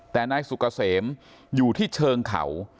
แต่นายสุกเกษมอยู่ที่เชิงเขา